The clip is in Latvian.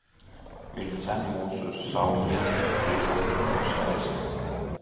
Viņš dzen mūs uz savu midzeni. Būšot mūs ēst.